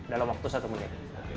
dalam waktu satu menit